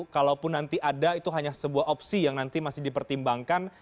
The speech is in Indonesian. kalaupun nanti ada itu hanya sebuah opsi yang nanti masih dipertimbangkan